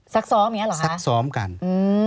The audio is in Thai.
ซักซ้อมอย่างเงี้เหรอฮะซักซ้อมกันอืม